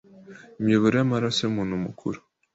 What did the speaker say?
Imiyoboro y’amaraso y’umuntu mukuru